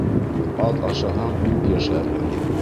Аҙ ашаһаң, күп йәшәрһең.